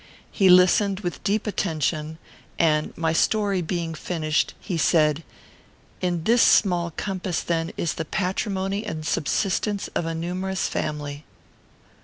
He listened with deep attention, and, my story being finished, he said, "In this small compass, then, is the patrimony and subsistence of a numerous family.